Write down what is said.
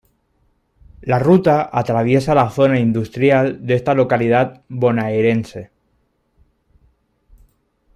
La ruta atraviesa la zona industrial de esta localidad bonaerense.